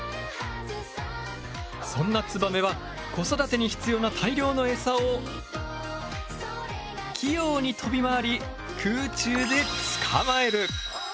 そんなツバメは子育てに必要な大量のエサを器用に飛び回りえ！？